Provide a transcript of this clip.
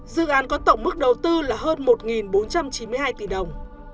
dự án có tổng mức đầu tư là hơn một bốn trăm chín mươi hai tỷ đồng